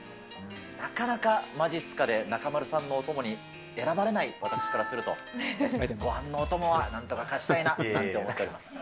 なかなかまじっすかで中丸さんのお供に選ばれない私からすると、ごはんのお供はなんとか勝ちたいなと思っております。